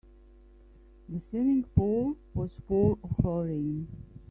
The swimming pool was full of chlorine.